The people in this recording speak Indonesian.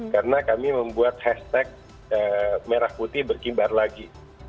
karena kami membuat hashtag merah putih berkibar lagi